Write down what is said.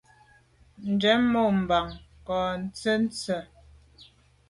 Njen mo’ bàm nkàb ntshu ntse.